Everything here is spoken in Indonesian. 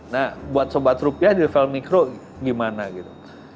nah buat sobat rupiah di level mikro gimana gitu